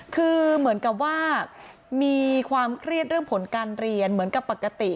คือเหมือนกับว่ามีความเครียดเรื่องผลการเรียนเหมือนกับปกติ